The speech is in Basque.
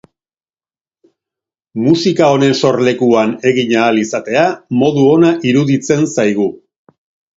Musika honen sorlekuan egin ahal izatea modu ona iruditzen zaigu.